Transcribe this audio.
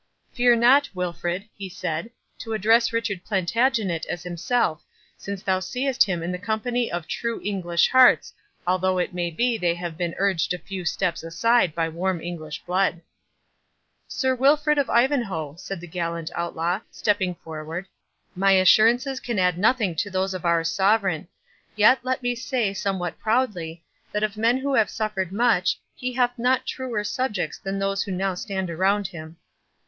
"Fear not, Wilfred," he said, "to address Richard Plantagenet as himself, since thou seest him in the company of true English hearts, although it may be they have been urged a few steps aside by warm English blood." "Sir Wilfred of Ivanhoe," said the gallant Outlaw, stepping forward, "my assurances can add nothing to those of our sovereign; yet, let me say somewhat proudly, that of men who have suffered much, he hath not truer subjects than those who now stand around him."